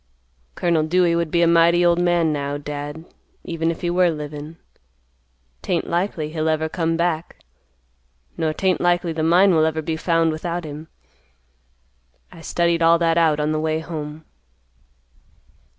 "Colonel Dewey would be a mighty old man now, Dad, even if he were livin.' 'Tain't likely he'll ever come back, nor tain't likely the mine will ever be found without him. I studied all that out on the way home."